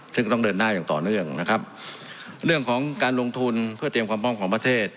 ซึ่งก็ต้องเดินหน้าอย่างต่อเนื่องนะครับเรื่องของการลงทุนเพื่อเตรียมความพร้อมของประเทศ